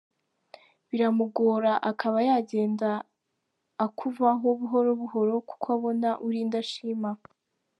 Biramugora akaba yagenda akuvaho buhoro buhoro kuko abona uri indashima .